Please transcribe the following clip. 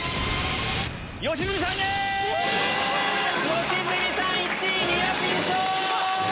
良純さん１位ニアピン賞！